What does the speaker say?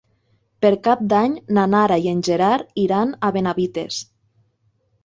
Per Cap d'Any na Nara i en Gerard iran a Benavites.